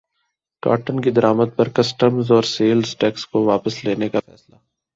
cotton کی درمد پر کسٹمز اور سیلز ٹیکس کو واپس لینے کا فیصلہ